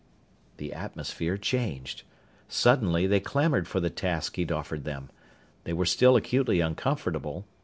The atmosphere changed. Suddenly they clamored for the task he offered them. They were still acutely uncomfortable.